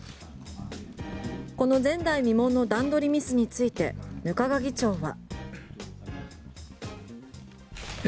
この前代未聞の段取りミスについて額賀議長は。